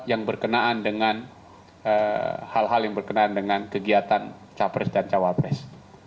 yang berkenaan dengan hal hal yang berkenaan dengan kegiatan capres dan cawapres